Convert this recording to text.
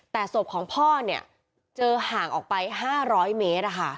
แต่ศพของพ่อเนี่ยเจอห่างออกไป๕๐๐เมตร